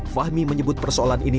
fahmi menyebut persoalan ini